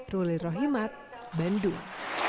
ruli rohimat bandung